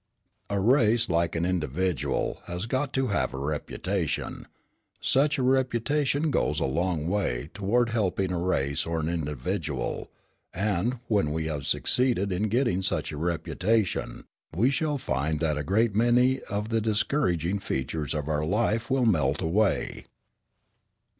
"A race, like an individual, has got to have a reputation. Such a reputation goes a long way toward helping a race or an individual; and, when we have succeeded in getting such a reputation, we shall find that a great many of the discouraging features of our life will melt away.